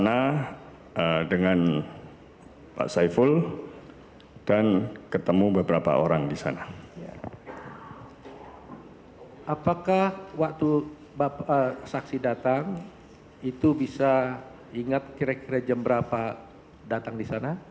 ada dari pihak lain lagi